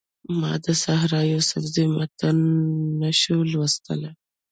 ما د سحر یوسفزي متن نه شو لوستلی.